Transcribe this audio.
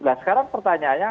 nah sekarang pertanyaannya